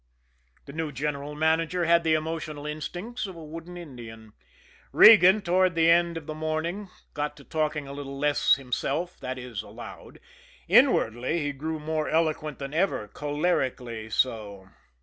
The new general manager had the emotional instincts of a wooden Indian. Regan, toward the end of the morning, got to talking a little less himself, that is, aloud inwardly he grew more eloquent than ever, cholerically so.